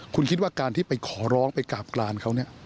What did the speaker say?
คุณคิดว่าการที่ไปขอร้องไปกราบกลานเขาเนี่ย